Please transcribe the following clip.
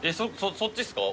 そっちっすか？